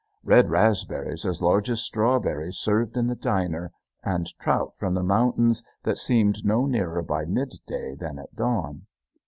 Red raspberries as large as strawberries served in the diner, and trout from the mountains that seemed no nearer by mid day than at dawn!